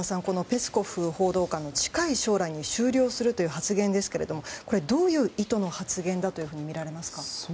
このペスコフ報道官の近い将来に終了するという発言ですがこれはどういうとの発言だとみられますか？